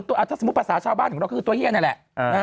ถ้าสมมุติภาษาชาวบ้านของเราก็คือตัวเฮียนี่แหละ